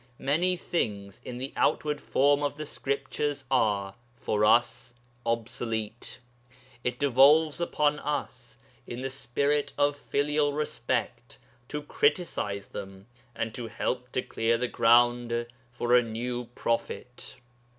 Many things in the outward form of the Scriptures are, for us, obsolete. It devolves upon us, in the spirit of filial respect, to criticize them, and so help to clear the ground for a new prophet.